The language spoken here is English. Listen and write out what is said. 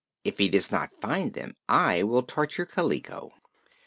If he does not find them, I will torture Kaliko."